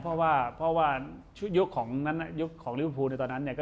เพราะว่ายุคของลิฟภูมิในตอนนั้น